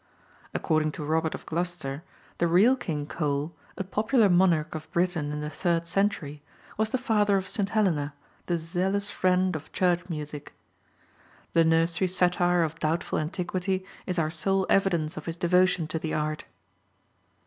According to Robert of Gloucester, the real King Cole, a popular monarch of Britain in the third century, was the father of St. Helena, the zealous friend of church music. The nursery satire of doubtful antiquity is our sole evidence of his devotion to the art.